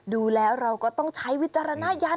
ดูแล้วเราก็ต้องใช้วิจารณญาณ